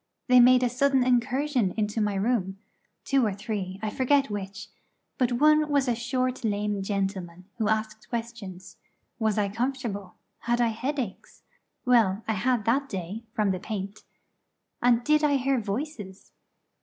They made a sudden incursion into my room two or three, I forget which, but one was a short lame gentleman who asked questions: Was I comfortable? Had I headaches? (well, I had that day, from the paint) and did I hear voices?